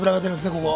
ここ。